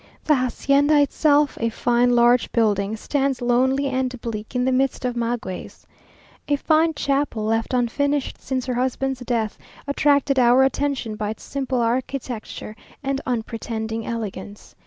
The hacienda itself, a fine large building, stands lonely and bleak in the midst of magueys. A fine chapel, left unfinished since her husband's death, attracted our attention by its simple architecture and unpretending elegance.